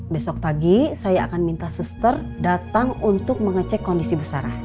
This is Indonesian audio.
besok pagi saya akan minta suster datang untuk mengecek kondisi busara